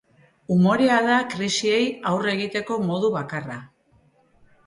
Umorea da krisiei aurre egiteko modu bakarra.